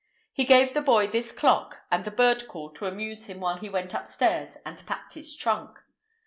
He gave the boy this clock and the bird call to amuse him while he went upstairs and packed his trunk.